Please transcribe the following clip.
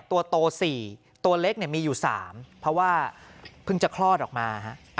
ตัวโตสี่ตัวเล็กเนี่ยมีอยู่สามเพราะว่าเพิ่งจะคลอดออกมาฮะ